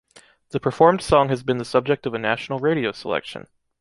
The performed song has been the subject of a national radio selection.